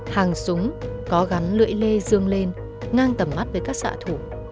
hàng súng có gắn lưỡi lê dương lên ngang tầm mắt với các xã thủ